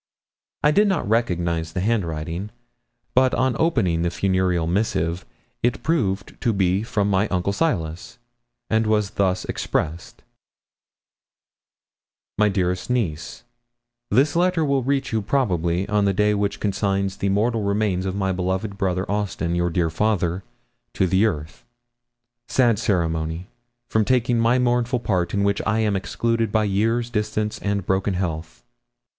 I did not recognise the handwriting; but on opening the funereal missive, it proved to be from my uncle Silas, and was thus expressed: 'MY DEAREST NIECE, This letter will reach you, probably, on the day which consigns the mortal remains of my beloved brother, Austin, your dear father, to the earth. Sad ceremony, from taking my mournful part in which I am excluded by years, distance, and broken health.